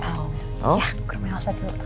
ya ke rumah elsa dulu